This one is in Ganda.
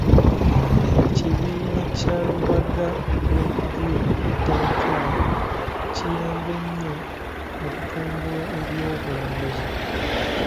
Ekibiina kya Lubaga Lake View Rotary Club kiyambye nnyo mu kutumbula eby'obulambuzi.